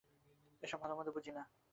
এসব ভালোমন্দ বুঝি না।